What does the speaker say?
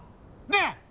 ねえ！